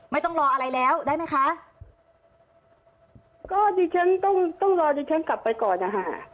ไม่ต้องรออะไรแล้วได้ไหมคะก็ดิฉันต้องต้องรอดิฉันกลับไปก่อนนะคะ